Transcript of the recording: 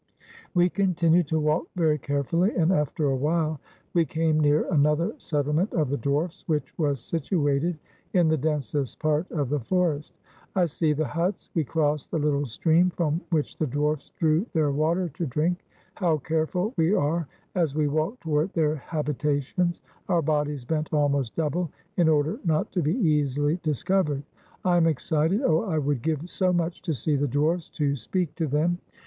We continued to walk very carefully, and after a while we came near another settlement of the dwarfs, which was situated in the densest part of the forest. I see the huts; we cross the little stream from which the dwarfs drew their water to drink. How careful we are as we walk toward their habitations, our bodies bent almost double, in order not to be easily discovered. I am excited — oh, I would give so much to see the dwarfs, to speak to them